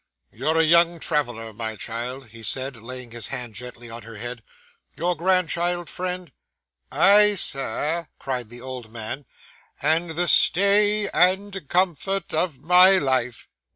'You're a young traveller, my child,' he said, laying his hand gently on her head. 'Your grandchild, friend?' 'Aye, Sir,' cried the old man, 'and the stay and comfort of my life.